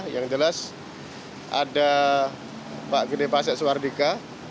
yang jelas ada pak gede pasek suardika